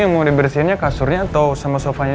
ini mau dibersihkan kasurnya atau sama sofanya